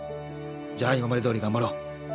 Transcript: じゃあ今までどおり頑張ろう。